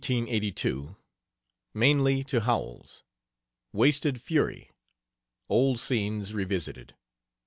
XXII. LETTERS, 1882, MAINLY TO HOWELLS. WASTED FURY. OLD SCENES REVISITED.